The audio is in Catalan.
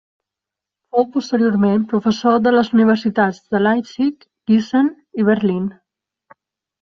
Fou posteriorment professor de les Universitats de Leipzig, Giessen i Berlín.